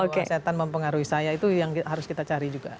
kalau kesehatan mempengaruhi saya itu yang harus kita cari juga